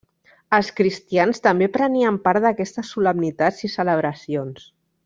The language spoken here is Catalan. Els cristians també prenien part d'aquestes solemnitats i celebracions.